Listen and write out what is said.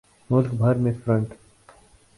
ملک بھر میں فرنٹ